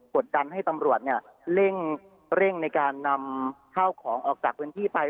ดดันให้ตำรวจเร่งในการนำข้าวของออกจากพื้นที่ไป